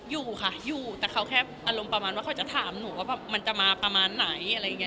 อยู่ค่ะอยู่แต่เขาแค่อารมณ์ประมาณว่าเขาจะถามหนูว่ามันจะมาประมาณไหนอะไรอย่างนี้